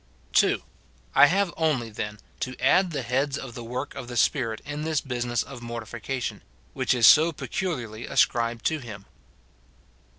2. I have only, then, to add the heads of the work of the Spirit in this business of mortification, which is so peculiarly ascribed to him.